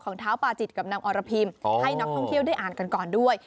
เท้าปาจิตกับนางอรพิมให้นักท่องเที่ยวได้อ่านกันก่อนด้วย